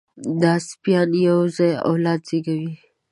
دا سپيان یو ځای اولاد زېږوي.